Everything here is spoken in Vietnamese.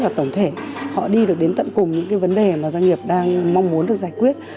và tổng thể họ đi được đến tận cùng những cái vấn đề mà doanh nghiệp đang mong muốn được giải quyết